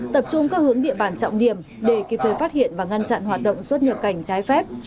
tập trung các hướng địa bàn trọng điểm để kịp thời phát hiện và ngăn chặn hoạt động xuất nhập cảnh trái phép